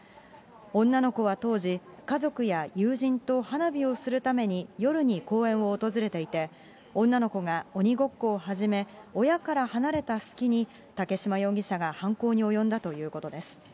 女の子は当時、家族や友人と花火をするために、夜に公園を訪れていて、女の子が鬼ごっこを始め、親から離れた隙に、竹嶋容疑者が犯行に及んだということです。